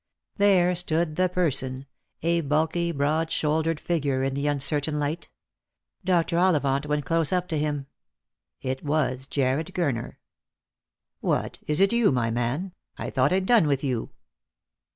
There stood the person, a bulky broad shouldered figure in the uncertain light. Dr. Ollivant went close up to him. It was Jarred Gurner. " What, is it you, my man ? I thought I'd done with you."